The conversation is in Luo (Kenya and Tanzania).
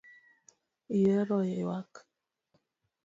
Ihero ywak